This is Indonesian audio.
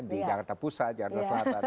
di jakarta pusat jakarta selatan